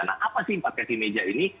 nah apa sih empat kasih meja ini